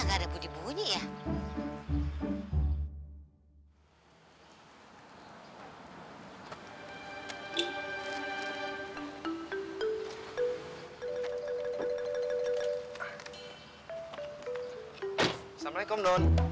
jalan malam nih ya bang